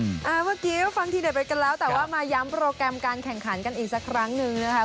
เมื่อกี้ฟังทีเด็ดไปกันแล้วแต่ว่ามาย้ำโปรแกรมการแข่งขันกันอีกสักครั้งหนึ่งนะคะ